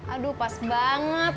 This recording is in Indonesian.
aduh pas banget